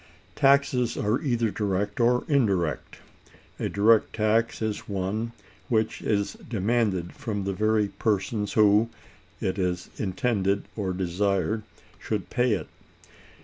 Taxes are either direct or indirect. A direct tax is one which is demanded from the very persons who, it is intended or desired, should pay it.